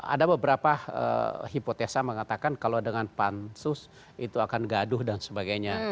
ada beberapa hipotesa mengatakan kalau dengan pansus itu akan gaduh dan sebagainya